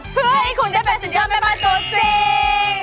เพื่อให้คุณได้เป็นสินเกิดไม่บ้านสูงจริง